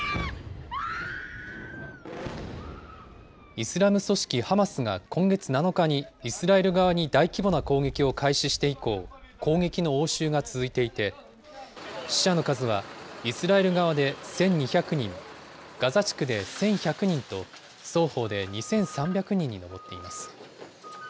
イスラム組織ハマスが、今月７日にイスラエル側に大規模な攻撃を開始して以降、攻撃の応酬が続いていて、死者の数は、イスラエル側で１２００人、ガザ地区で１１００人と、双方で２３００人に上っています。